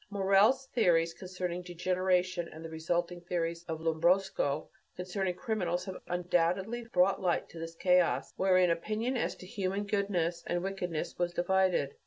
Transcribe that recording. Morel's theories concerning degeneration and the resulting theories of Lombroso concerning criminals have undoubtedly brought light into this chaos, wherein opinion as to human goodness and wickedness was divided.